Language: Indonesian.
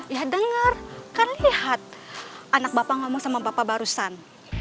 ya dengar kan lihat anak bapak ngomong sama bapak barusan